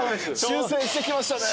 修正してきましたね。